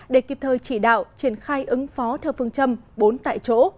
để kịp thời chỉ đạo triển khai ứng phó theo phương châm bốn tại chỗ